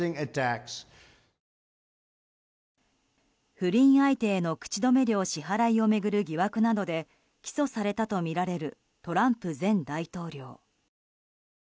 不倫相手への口止め料支払いを巡る疑惑などで起訴されたとみられるトランプ前大統領。